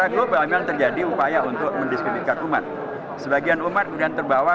kita dudukkan pada proposi yang sebenarnya